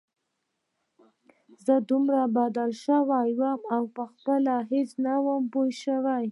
زه دومره بدل سوى وم او پخپله هېڅ نه وم پوه سوى.